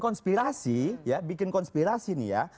konspirasi ya bikin konspirasi nih ya